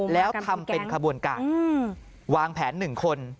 แล้วทำเป็นขบวนการวางแผน๑คน